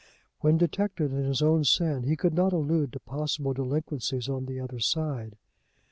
When detected in his own sin he could not allude to possible delinquencies on the other side.